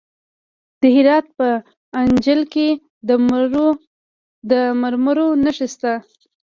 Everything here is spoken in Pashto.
د هرات په انجیل کې د مرمرو نښې شته.